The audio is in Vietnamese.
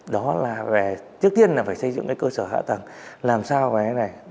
đó là về trước tiên là phải xây dựng cái cơ sở hạ tầng làm sao mà cái này